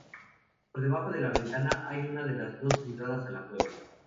Por debajo de la ventana hay una de las dos entradas a la cueva.